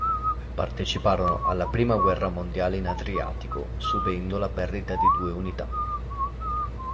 Parteciparono alla prima guerra mondiale in Adriatico, subendo la perdita di due unità.